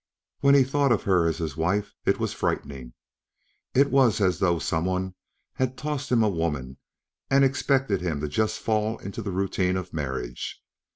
When he thought of her as his wife, it was frightening. It was as though someone had tossed him a woman and expected him to just fall into the routine of marriage.